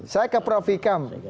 saya ke prof ikam